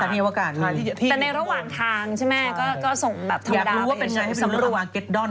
อยากรู้ว่าเป็นยังไงรับไปดูรวมระหว่างเก็ดด่อน